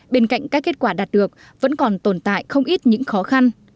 bên cạnh các kết quả đạt được vẫn còn tồn tại không ít những khó khăn